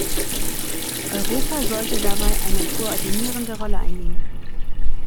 Europa sollte dabei eine koordinierende Rolle einnehmen.